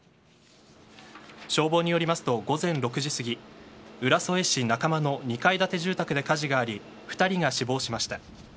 消防によりますと午前６時過ぎ浦添市仲間の２階建て住宅で火事があり、２人が死亡しました。